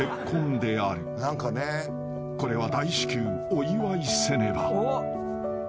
［これは大至急お祝いせねば］